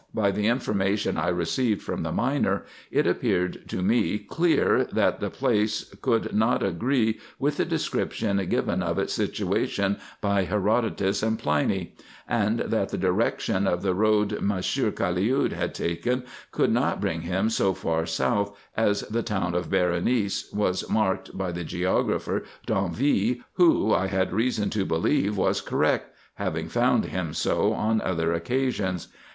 By the information I received from the miner, it appeared to me clear, that the place could not agree with the description given of its situation by Herodotus and Pliny ; and that the direction of the road Mon sieur Caliud had taken could not bring him so far south, as the town of Berenice was marked by the geographer D'Anville, who I had reason to believe was correct, having found him so on other occasions.